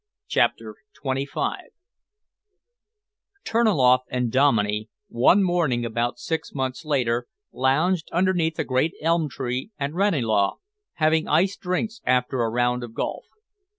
CHAPTER XXV Terniloff and Dominey, one morning about six months later, lounged underneath a great elm tree at Ranelagh, having iced drinks after a round of golf.